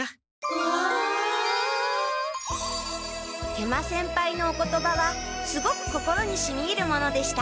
食満先輩のお言葉はすごく心にしみいるものでした。